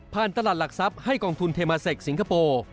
ตลาดหลักทรัพย์ให้กองทุนเทมาเซคสิงคโปร์